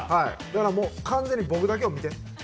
だから完全に僕だけを見て。